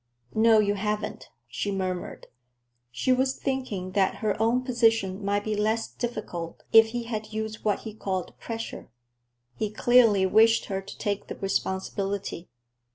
"No, you haven't," she murmured. She was thinking that her own position might be less difficult if he had used what he called pressure. He clearly wished her to take the responsibility.